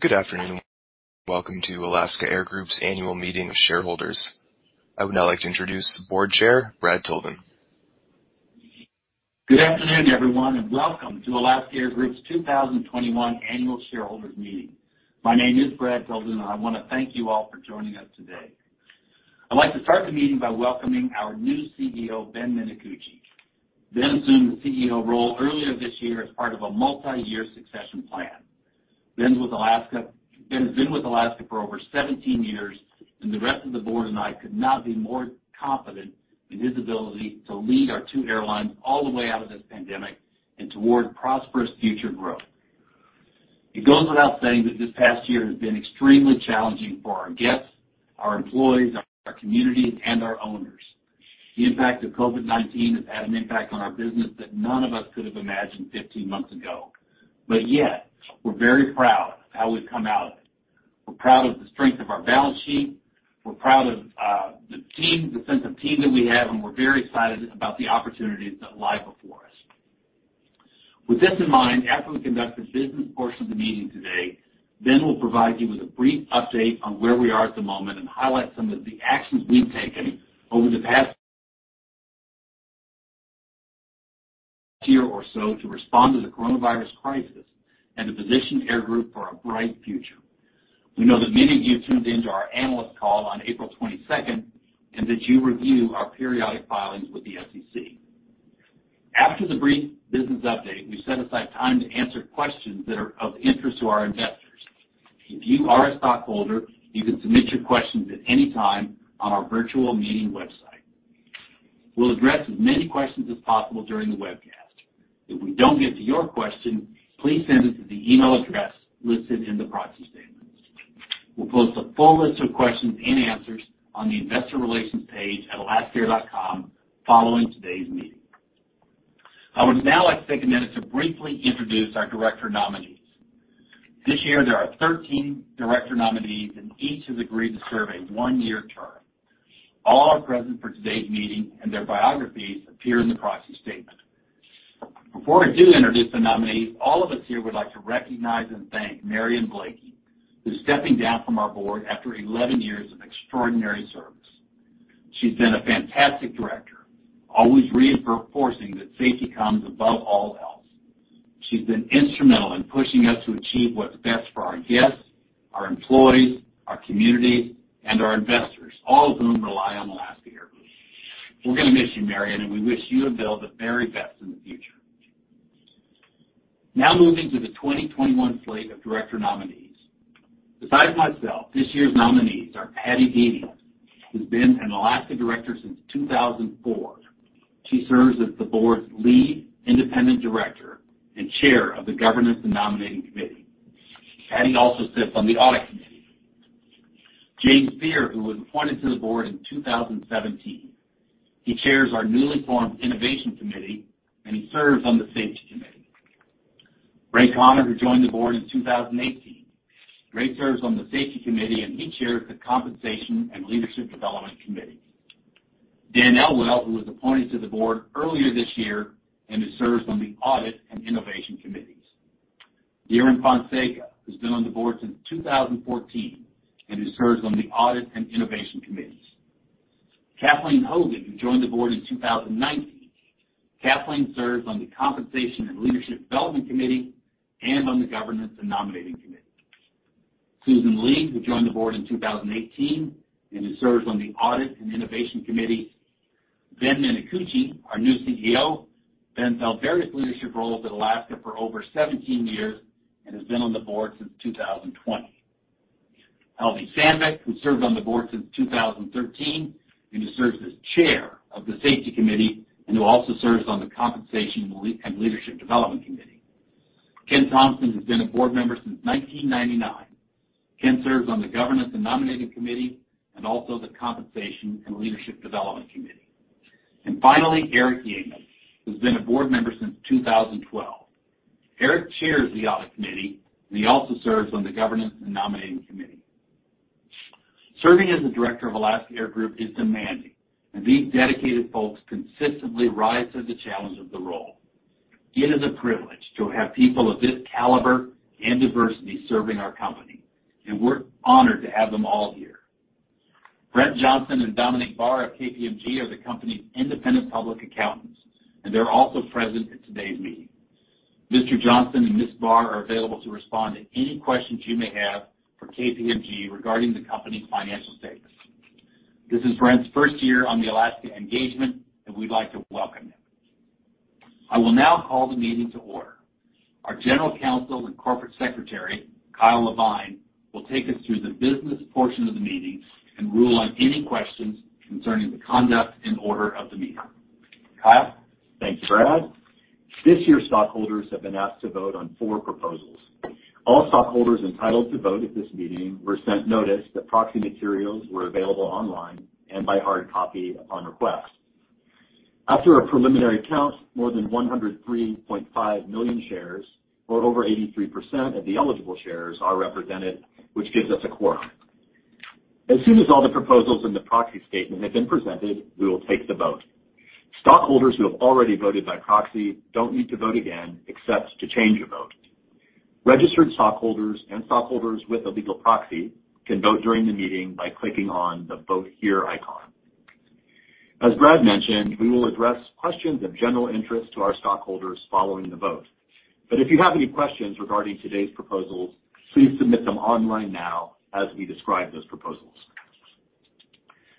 Good afternoon. Welcome to Alaska Air Group's Annual Meeting of Shareholders. I would now like to introduce the Board Chair, Brad Tilden. Good afternoon, everyone, and welcome to Alaska Air Group's 2021 Annual Shareholders Meeting. My name is Brad Tilden, and I want to thank you all for joining us today. I'd like to start the meeting by welcoming our new CEO, Ben Minicucci. Ben assumed the CEO role earlier this year as part of a multi-year succession plan. Ben's been with Alaska for over 17 years, and the rest of the board and I could not be more confident in his ability to lead our two airlines all the way out of this pandemic and toward prosperous future growth. It goes without saying that this past year has been extremely challenging for our guests, our employees, our communities, and our owners. The impact of COVID-19 has had an impact on our business that none of us could have imagined 15 months ago. Yet, we're very proud of how we've come out of it. We're proud of the strength of our balance sheet. We're proud of the sense of team that we have, and we're very excited about the opportunities that lie before us. With this in mind, after we conduct the business portion of the meeting today, Ben will provide you with a brief update on where we are at the moment and highlight some of the actions we've taken over the past year or so to respond to the coronavirus crisis and to position Air Group for a bright future. We know that many of you tuned in to our analyst call on April 22nd, and that you review our periodic filings with the SEC. After the brief business update, we've set aside time to answer questions that are of interest to our investors. If you are a stockholder, you can submit your questions at any time on our virtual meeting website. We'll address as many questions as possible during the webcast. If we don't get to your question, please send it to the email address listed in the proxy statement. We'll post a full list of questions and answers on the investor relations page at alaskaair.com following today's meeting. I would now like to take a minute to briefly introduce our director nominees. This year, there are 13 director nominees, and each has agreed to serve a one-year term. All are present for today's meeting, and their biographies appear in the proxy statement. Before I do introduce the nominees, all of us here would like to recognize and thank Marion C. Blakey, who's stepping down from our board after 11 years of extraordinary service. She's been a fantastic director, always reinforcing that safety comes above all else. She's been instrumental in pushing us to achieve what's best for our guests, our employees, our communities, and our investors, all of whom rely on Alaska Air Group. We're going to miss you, Marion, and we wish you and Bill the very best in the future. Moving to the 2021 slate of director nominees. Besides myself, this year's nominees are Patricia Bedient, who's been an Alaska director since 2004. She serves as the board's Lead Independent Director and Chair of the Governance and Nominating Committee. Patricia also sits on the Audit Committee. James A. Beer, who was appointed to the board in 2017. He chairs our newly formed Innovation Committee, and he serves on the Safety Committee. Raymond L. Conner, who joined the board in 2018. Ray serves on the Safety Committee, and he chairs the Compensation and Leadership Development Committee. Daniel K. Elwell, who was appointed to the board earlier this year and who serves on the Audit Committee and Innovation Committee. Dhiren Fonseca, who's been on the board since 2014 and who serves on the Audit Committee and Innovation Committee. Kathleen T. Hogan, who joined the board in 2019. Kathleen serves on the Compensation and Leadership Development Committee and on the Governance and Nominating Committee. Susan Li, who joined the board in 2018 and who serves on the Audit Committee and Innovation Committee. Ben Minicucci, our new CEO. Ben's held various leadership roles at Alaska for over 17 years and has been on the board since 2020. Helvi K. Sandvik, who serves on the board since 2013 and who serves as Chair of the Safety Committee and who also serves on the Compensation and Leadership Development Committee. J. Kenneth Thompson has been a board member since 1999. J. Kenneth serves on the Governance and Nominating Committee and also the Compensation and Leadership Development Committee. Finally, Eric Tangen, who's been a board member since 2012. Eric chairs the Audit Committee, he also serves on the Governance and Nominating Committee. Serving as a director of Alaska Air Group is demanding, these dedicated folks consistently rise to the challenge of the role. It is a privilege to have people of this caliber and diversity serving our company, we're honored to have them all here. Brent Johnson and Dominique Barr of KPMG are the company's independent public accountants, they're also present at today's meeting. Mr. Johnson and Ms. Barr are available to respond to any questions you may have for KPMG regarding the company's financial status. This is Brent's first year on the Alaska engagement, and we'd like to welcome him. I will now call the meeting to order. Our General Counsel and Corporate Secretary, Kyle Levine, will take us through the business portion of the meeting and rule on any questions concerning the conduct and order of the meeting. Kyle? Thank you, Brad. This year, stockholders have been asked to vote on four proposals. All stockholders entitled to vote at this meeting were sent notice that proxy materials were available online and by hard copy upon request. After a preliminary count, more than 103.5 million shares, or over 83% of the eligible shares, are represented, which gives us a quorum. As soon as all the proposals in the proxy statement have been presented, we will take the vote. Stockholders who have already voted by proxy don't need to vote again except to change a vote. Registered stockholders and stockholders with a legal proxy can vote during the meeting by clicking on the Vote Here icon. As Brad mentioned, we will address questions of general interest to our stockholders following the vote. If you have any questions regarding today's proposals, please submit them online now as we describe those proposals.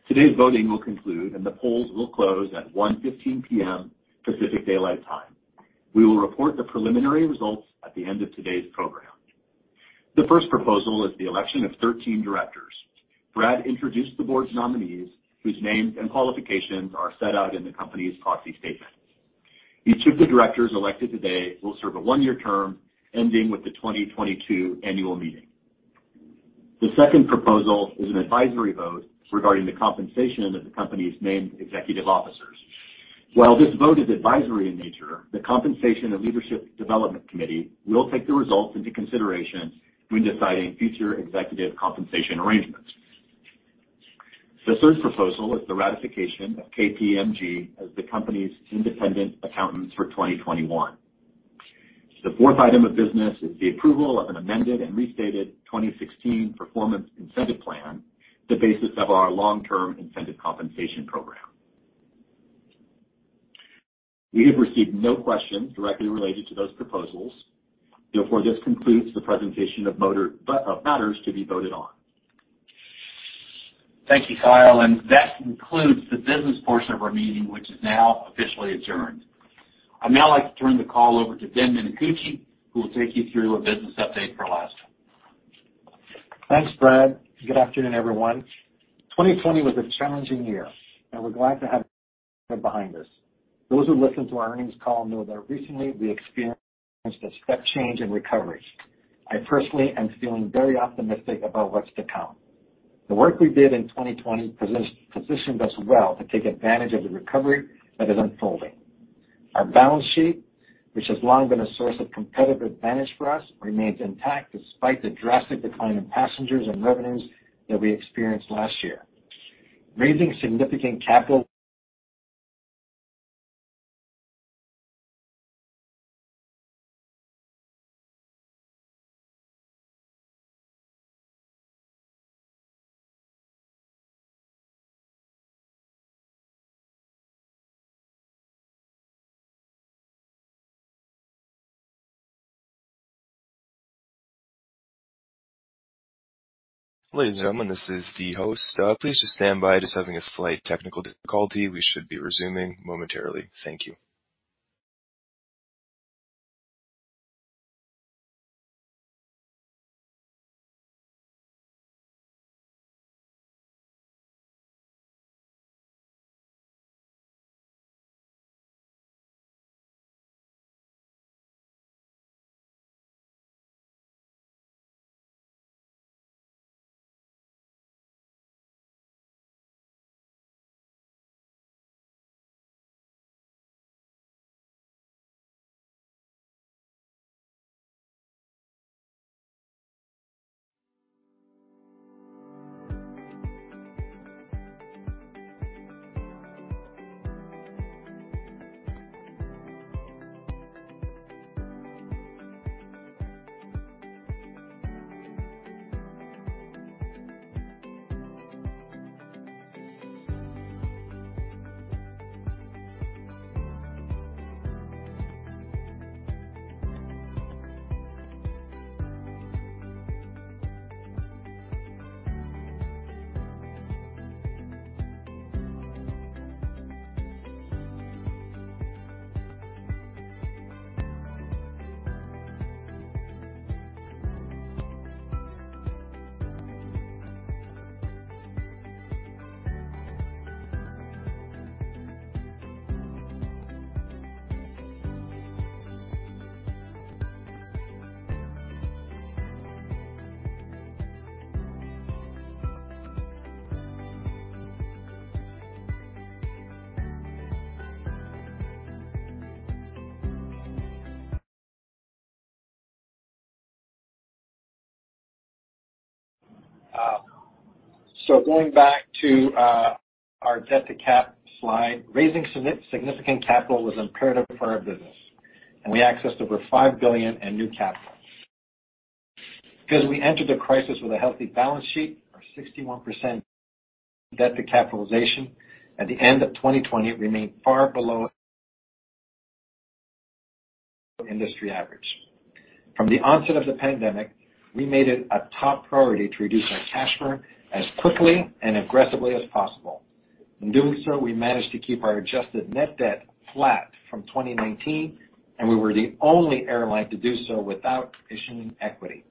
Today's voting will conclude and the polls will close at 1:15 P.M. Pacific Daylight Time. We will report the preliminary results at the end of today's program. The first proposal is the election of 13 directors. Brad introduced the board's nominees, whose names and qualifications are set out in the company's proxy statement. Each of the directors elected today will serve a one-year term ending with the 2022 annual meeting. The second proposal is an advisory vote regarding the compensation of the company's named executive officers. While this vote is advisory in nature, the Compensation and Leadership Development Committee will take the results into consideration when deciding future executive compensation arrangements. The third proposal is the ratification of KPMG as the company's independent accountants for 2021. The fourth item of business is the approval of an amended and restated 2016 Performance Incentive Plan, the basis of our long-term incentive compensation program. We have received no questions directly related to those proposals. Therefore, this concludes the presentation of matters to be voted on. Thank you, Kyle, and that concludes the business portion of our meeting, which is now officially adjourned. I'd now like to turn the call over to Ben Minicucci, who will take you through a business update for Alaska. Thanks, Brad. Good afternoon, everyone. 2020 was a challenging year, and we're glad to have it behind us. Those who listened to our earnings call know that recently we experienced a step change in recovery. I personally am feeling very optimistic about what's to come. The work we did in 2020 positioned us well to take advantage of the recovery that is unfolding. Our balance sheet, which has long been a source of competitive advantage for us, remains intact despite the drastic decline in passengers and revenues that we experienced last year. Raising significant capital- Ladies and gentlemen, this is the host. Please just stand by. We are just having a slight technical difficulty. We should be resuming momentarily. Thank you. Going back to our debt-to-cap slide, raising significant capital was imperative for our business, and we accessed over $5 billion in new capital. Because we entered the crisis with a healthy balance sheet, our 61% debt to capitalization at the end of 2020 remained far below industry average. From the onset of the pandemic, we made it a top priority to reduce our cash burn as quickly and aggressively as possible. In doing so, we managed to keep our adjusted net debt flat from 2019, and we were the only airline to do so without issuing equity.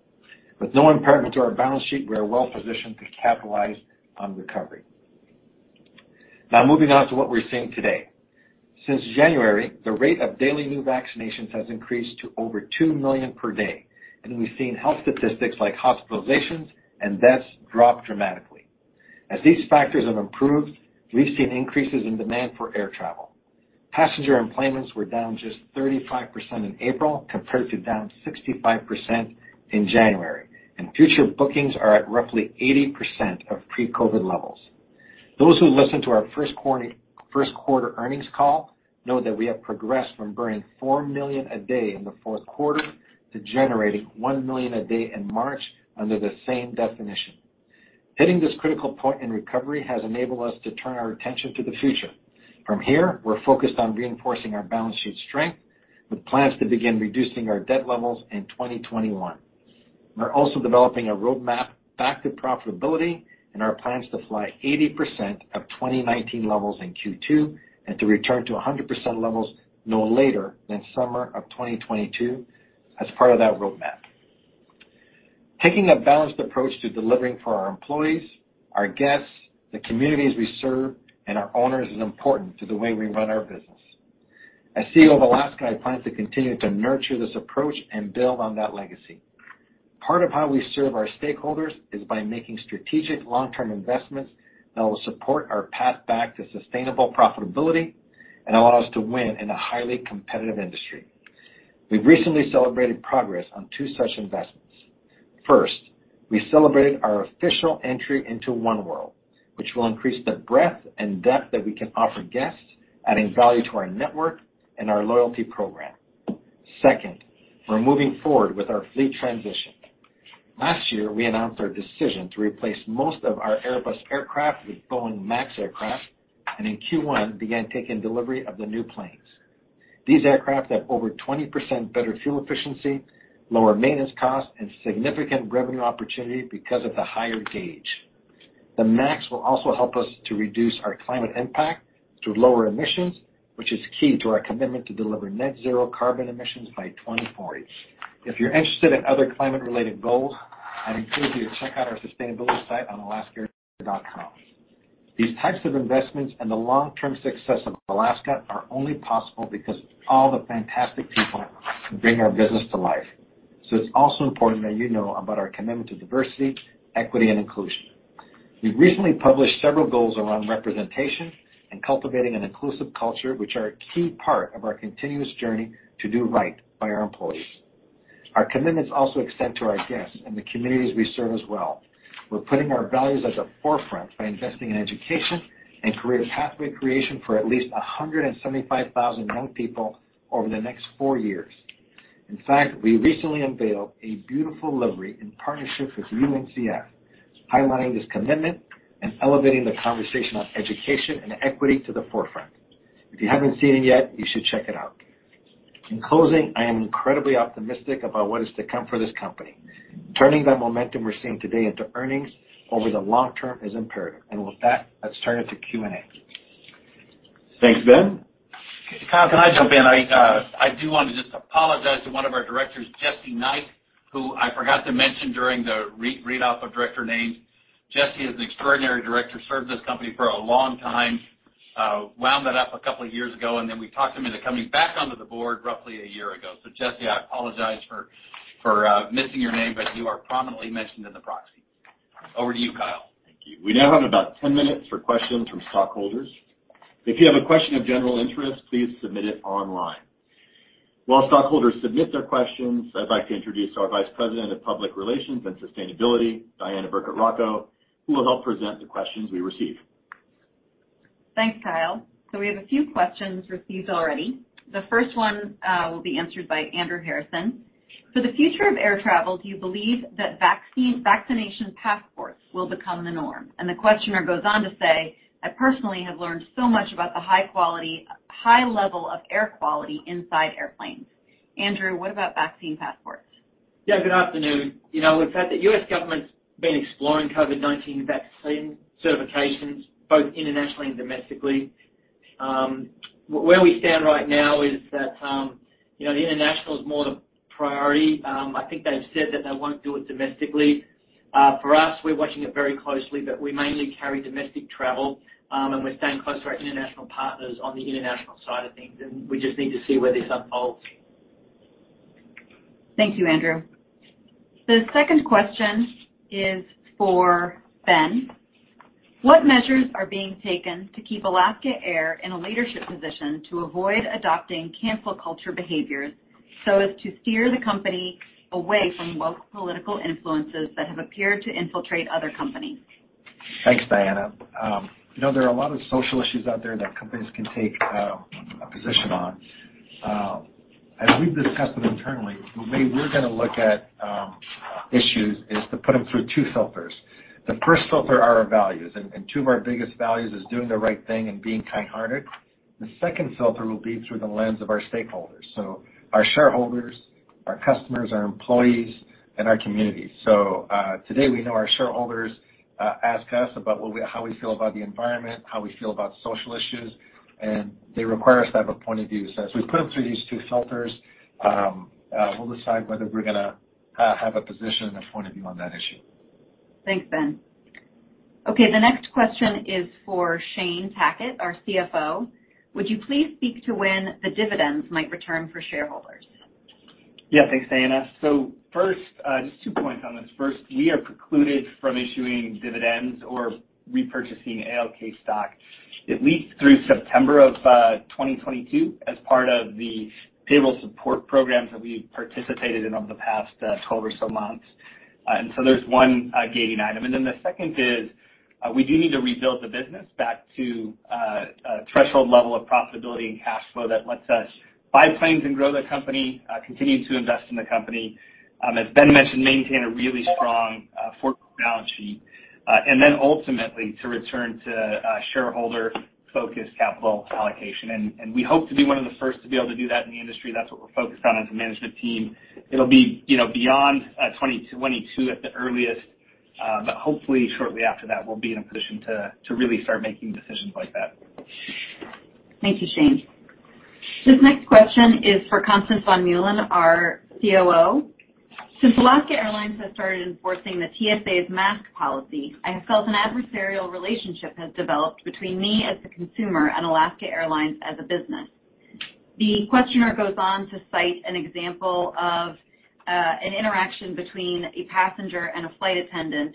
With no impairment to our balance sheet, we are well-positioned to capitalize on recovery. Moving on to what we're seeing today. Since January, the rate of daily new vaccinations has increased to over 2 million per day, and we've seen health statistics like hospitalizations and deaths drop dramatically. As these factors have improved, we've seen increases in demand for air travel. Passenger enplanements were down just 35% in April compared to down 65% in January, and future bookings are at roughly 80% of pre-COVID levels. Those who listened to our first quarter earnings call know that we have progressed from burning $4 million a day in the fourth quarter to generating $1 million a day in March under the same definition. Hitting this critical point in recovery has enabled us to turn our attention to the future. From here, we're focused on reinforcing our balance sheet strength, with plans to begin reducing our debt levels in 2021. We're also developing a roadmap back to profitability and our plans to fly 80% of 2019 levels in Q2, and to return to 100% levels no later than summer of 2022 as part of that roadmap. Taking a balanced approach to delivering for our employees, our guests, the communities we serve, and our owners is important to the way we run our business. As CEO of Alaska, I plan to continue to nurture this approach and build on that legacy. Part of how we serve our stakeholders is by making strategic long-term investments that will support our path back to sustainable profitability and allow us to win in a highly competitive industry. We've recently celebrated progress on two such investments. First, we celebrated our official entry into Oneworld, which will increase the breadth and depth that we can offer guests, adding value to our network and our loyalty program. Second, we're moving forward with our fleet transition. Last year, we announced our decision to replace most of our Airbus aircraft with Boeing MAX aircraft, and in Q1, began taking delivery of the new planes. These aircraft have over 20% better fuel efficiency, lower maintenance costs, and significant revenue opportunity because of the higher gauge. The MAX will also help us to reduce our climate impact through lower emissions, which is key to our commitment to deliver net zero carbon emissions by 2040. If you're interested in other climate-related goals, I'd encourage you to check out our sustainability site on alaskaair.com. These types of investments and the long-term success of Alaska are only possible because of all the fantastic people who bring our business to life. It's also important that you know about our commitment to diversity, equity, and inclusion. We've recently published several goals around representation and cultivating an inclusive culture, which are a key part of our continuous journey to do right by our employees. Our commitments also extend to our guests and the communities we serve as well. We're putting our values at the forefront by investing in education and career pathway creation for at least 175,000 young people over the next four years. In fact, we recently unveiled a beautiful livery in partnership with UNCF, highlighting this commitment and elevating the conversation on education and equity to the forefront. If you haven't seen it yet, you should check it out. In closing, I am incredibly optimistic about what is to come for this company. Turning that momentum we're seeing today into earnings over the long term is imperative, and with that, let's turn it to Q&A. Thanks, Ben. Kyle, can I jump in? I do want to just apologize to one of our directors, Jessie J. Knight, Jr. who I forgot to mention during the read off of director names. Jessie is an extraordinary director, served this company for a long time. Wound that up a couple of years ago, and then we talked him into coming back onto the board roughly a year ago. Jessie, I apologize for missing your name, but you are prominently mentioned in the proxy. Over to you, Kyle. Thank you. We now have about 10 minutes for questions from stockholders. If you have a question of general interest, please submit it online. While stockholders submit their questions, I'd like to introduce our Vice President of Public Relations and Sustainability, Diana Birkett Rakow, who will help present the questions we receive. Thanks, Kyle. We have a few questions received already. The first one will be answered by Andrew Harrison. For the future of air travel, do you believe that vaccination passports will become the norm? The questioner goes on to say, "I personally have learned so much about the high level of air quality inside airplanes." Andrew, what about vaccine passports? Good afternoon. We've had the U.S. government's been exploring COVID-19 vaccine certifications both internationally and domestically. Where we stand right now is that the international is more the priority. I think they've said that they won't do it domestically. For us, we're watching it very closely, but we mainly carry domestic travel, and we're staying close to our international partners on the international side of things, and we just need to see where this unfolds. Thank you, Andrew. The second question is for Ben. What measures are being taken to keep Alaska Air in a leadership position to avoid adopting cancel culture behaviors so as to steer the company away from woke political influences that have appeared to infiltrate other companies? Thanks, Diana. There are a lot of social issues out there that companies can take a position on. As we've discussed them internally, the way we're gonna look at issues is to put them through two filters. The first filter are our values, and two of our biggest values is doing the right thing and being kind-hearted. The second filter will be through the lens of our stakeholders. Our shareholders, our customers, our employees, and our communities. Today, we know our shareholders ask us about how we feel about the environment, how we feel about social issues, and they require us to have a point of view. As we put them through these two filters, we'll decide whether we're gonna have a position, a point of view on that issue. Thanks, Ben. The next question is for Shane Tackett, our CFO. Would you please speak to when the dividends might return for shareholders? Thanks, Diana. First, just two points on this. First, we are precluded from issuing dividends or repurchasing ALK stock at least through September of 2022 as part of the payable support programs that we've participated in over the past 12 or so months. There's one gating item. The second is, we do need to rebuild the business back to a threshold level of profitability and cash flow that lets us buy planes and grow the company, continue to invest in the company. As Ben mentioned, maintain a really strong balance sheet. Ultimately to return to shareholder-focused capital allocation. We hope to be one of the first to be able to do that in the industry. That's what we're focused on as a management team. It'll be beyond 2022 at the earliest, but hopefully shortly after that, we'll be in a position to really start making decisions like that. Thank you, Shane. This next question is for Constance von Muehlen, our COO. Since Alaska Airlines has started enforcing the TSA's mask policy, I have felt an adversarial relationship has developed between me as the consumer and Alaska Airlines as a business. The questioner goes on to cite an example of an interaction between a passenger and a flight attendant,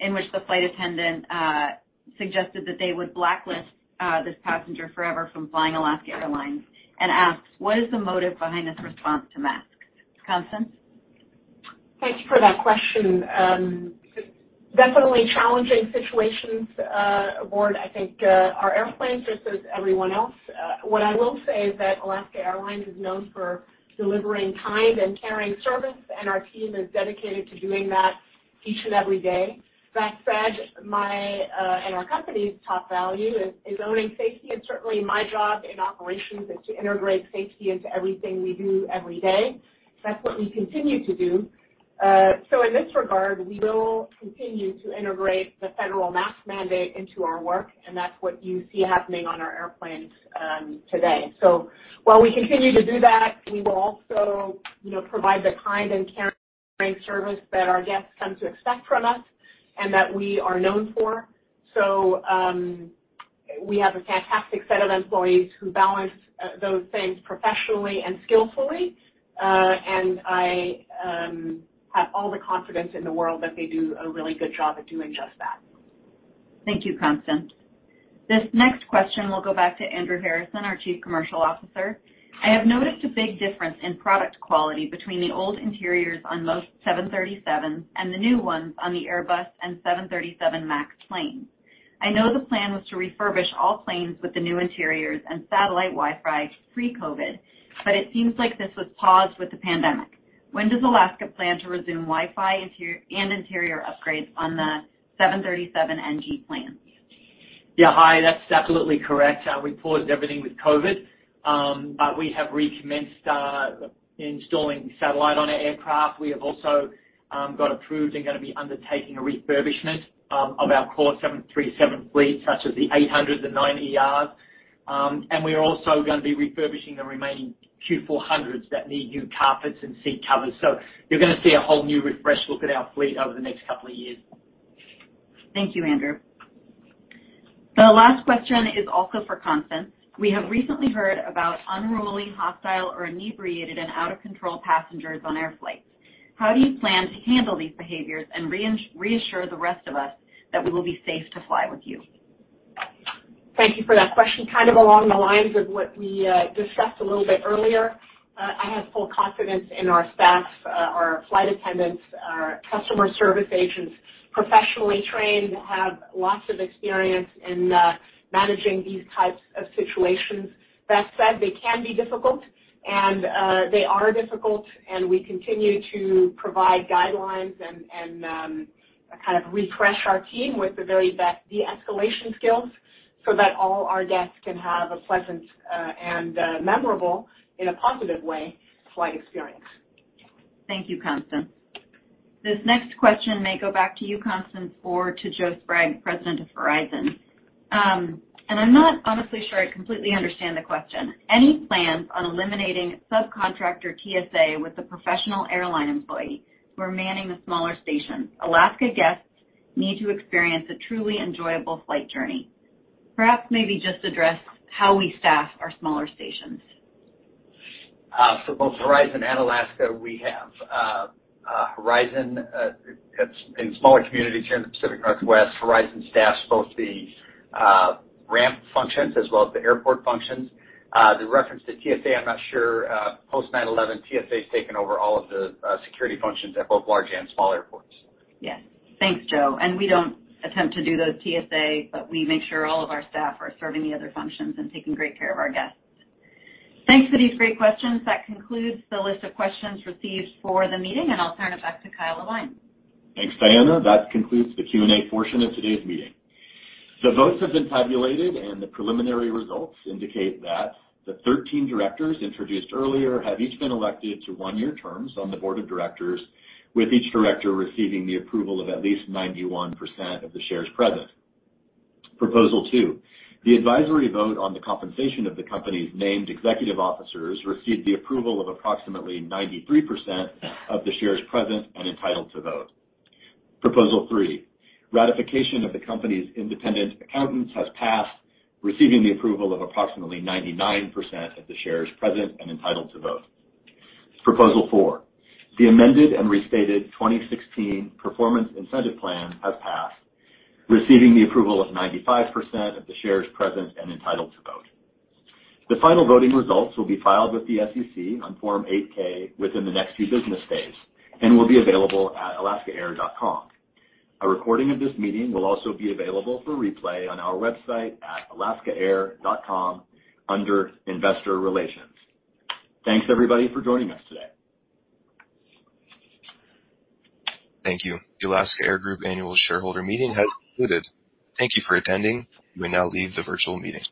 in which the flight attendant suggested that they would blacklist this passenger forever from flying Alaska Airlines and asks, "What is the motive behind this response to masks?" Constance? Thanks for that question. Definitely challenging situations aboard, I think, our airplanes, just as everyone else. What I will say is that Alaska Airlines is known for delivering kind and caring service, and our team is dedicated to doing that each and every day. That said, my and our company's top value is owning safety, and certainly my job in operations is to integrate safety into everything we do every day. That's what we continue to do. In this regard, we will continue to integrate the federal mask mandate into our work, and that's what you see happening on our airplanes today. While we continue to do that, we will also provide the kind and caring service that our guests come to expect from us and that we are known for. We have a fantastic set of employees who balance those things professionally and skillfully. I have all the confidence in the world that they do a really good job at doing just that. Thank you, Constance. This next question will go back to Andrew Harrison, our chief commercial officer. I have noticed a big difference in product quality between the old interiors on most 737s and the new ones on the Airbus and 737 MAX planes. I know the plan was to refurbish all planes with the new interiors and satellite Wi-Fi pre-COVID, but it seems like this was paused with the pandemic. When does Alaska plan to resume Wi-Fi and interior upgrades on the 737NG planes? Yeah. Hi. That's absolutely correct. We paused everything with COVID-19. We have recommenced installing satellite on our aircraft. We have also got approved and are going to be undertaking a refurbishment of our core 737 fleet, such as the 800 and 900ERs. We are also going to be refurbishing the remaining Q400s that need new carpets and seat covers. You're going to see a whole new refresh look at our fleet over the next couple of years. Thank you, Andrew. The last question is also for Constance. We have recently heard about unruly, hostile, or inebriated and out-of-control passengers on air flights. How do you plan to handle these behaviors and reassure the rest of us that we will be safe to fly with you? Thank you for that question. Kind of along the lines of what we discussed a little bit earlier. I have full confidence in our staff, our flight attendants, our customer service agents, professionally trained, have lots of experience in managing these types of situations. That said, they can be difficult and they are difficult, and we continue to provide guidelines and kind of refresh our team with the very best de-escalation skills so that all our guests can have a pleasant and memorable, in a positive way, flight experience. Thank you, Constance. This next question may go back to you, Constance, or to Joe Sprague, President, Horizon Air. I'm not honestly sure I completely understand the question. Any plans on eliminating subcontractor TSA with a professional airline employee who are manning the smaller stations? Alaska guests need to experience a truly enjoyable flight journey. Perhaps maybe just address how we staff our smaller stations. For both Horizon and Alaska, we have Horizon in smaller communities here in the Pacific Northwest. Horizon staffs both the ramp functions as well as the airport functions. The reference to TSA, I'm not sure. Post 9/11, TSA has taken over all of the security functions at both large and small airports. Yes. Thanks, Joe. We don't attempt to do those TSA, but we make sure all of our staff are serving the other functions and taking great care of our guests. Thanks for these great questions. That concludes the list of questions received for the meeting, and I'll turn it back to Kyle Levine. Thanks, Diana. That concludes the Q&A portion of today's meeting. The votes have been tabulated, and the preliminary results indicate that the 13 directors introduced earlier have each been elected to one-year terms on the Board of Directors, with each director receiving the approval of at least 91% of the shares present. Proposal two, the advisory vote on the compensation of the company's named executive officers received the approval of approximately 93% of the shares present and entitled to vote. Proposal three, ratification of the company's independent accountants has passed, receiving the approval of approximately 99% of the shares present and entitled to vote. Proposal four, the amended and restated 2016 Performance Incentive Plan has passed, receiving the approval of 95% of the shares present and entitled to vote. The final voting results will be filed with the SEC on Form 8-K within the next few business days and will be available at alaskaair.com. A recording of this meeting will also be available for replay on our website at alaskaair.com under Investor Relations. Thanks everybody for joining us today. Thank you. The Alaska Air Group Annual Shareholder Meeting has concluded. Thank you for attending. You may now leave the virtual meeting.